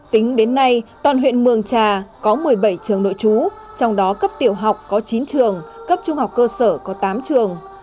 tính đến nay toàn huyện mường trà có một mươi bảy trường nội trú trong đó cấp tiểu học có chín trường cấp trung học cơ sở có tám trường